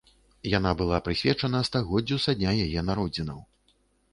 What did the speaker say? Яна была прысвечана стагоддзю са дня яе народзінаў.